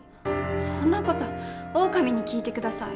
そんな事オオカミに聞いて下さい。